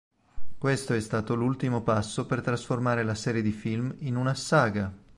Questo è stato l'ultimo passo per trasformare la serie di film in una "saga".